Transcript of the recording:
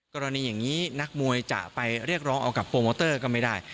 กรณีอย่างนี้นักมวยจะไปเรียกร้องเอากับโปรโมเตอร์ก็ไม่ได้